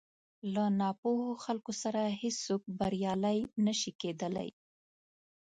له ناپوهو خلکو سره هېڅ څوک بريالی نه شي کېدلی.